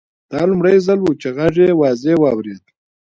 دا لومړی ځل و چې غږ یې واضح واورېد